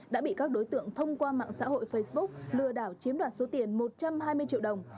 đã bị các đối tượng thông qua mạng xã hội facebook lừa đảo chiếm đoạt số tiền một trăm hai mươi triệu đồng